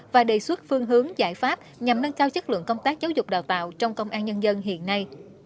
và đề xuất phương hướng giải pháp nhằm nâng cao chất lượng công tác giáo dục đào tạo trong công an nhân dân hiện nay